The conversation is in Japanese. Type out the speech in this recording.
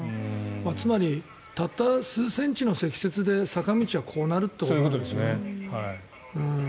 つまり、たった数センチの積雪で坂道はこうなるっていうことですよね。